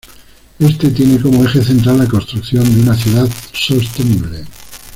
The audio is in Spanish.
Éste tiene como eje central la construcción de una ciudad sostenible.